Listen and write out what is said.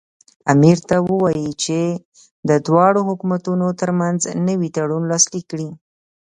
امیر ته ووایي چې د دواړو حکومتونو ترمنځ نوی تړون لاسلیک کړي.